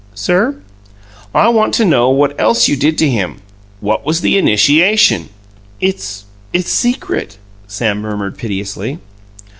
"Sir?" "I want to know what else you did to him? What was the initiation?" "It's it's secret," Sam murmured piteously.